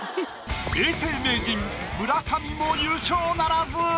永世名人村上も優勝ならず。